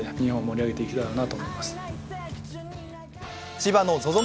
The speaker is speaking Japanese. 千葉のＺＯＺＯ